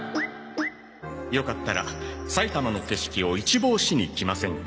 よかったら埼玉の景色を一望しに来ませんか？